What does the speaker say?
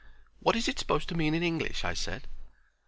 "What is it supposed to mean in English?" I said.